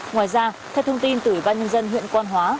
ngoài ra theo thông tin từ ủy ban nhân dân huyện quan hóa